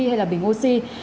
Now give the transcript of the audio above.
hay là bình oxy